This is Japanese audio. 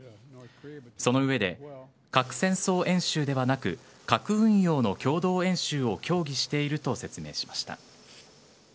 その上で、核戦争演習ではなく核運用の共同演習を協議していると説明しました。